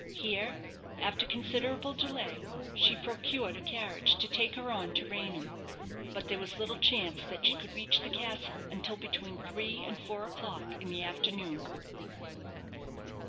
Here, after considerable delay, she procured a carriage to take her on to Raynham; but there was little chance that she could reach the castle until between three and four o'clock in the afternoon.